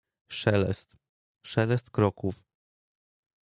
Szelest, szelest kroków.